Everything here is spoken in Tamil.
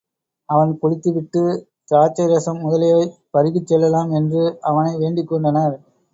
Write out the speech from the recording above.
அவன் குளித்துவிட்டு, திராட்சை ரசம் முதலியவை பருகிச் செல்லலாம் என்று அவனை வேண்டிக்கொண்டனர்.